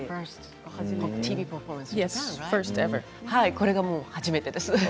これが初めてです。